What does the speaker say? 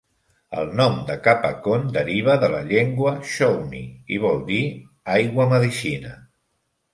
El nom de Cacapon deriva de la llengua shawnee i vol dir "aigua medicina".